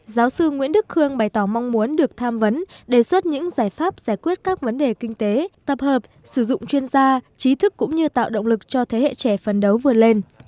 giáo sư nguyễn đức khương bày tỏ mong muốn được tham vấn đề xuất những giải pháp giải quyết các vấn đề kinh tế tập hợp sử dụng chuyên gia trí thức cũng như tạo động lực cho thế hệ trẻ phần đấu vươn lên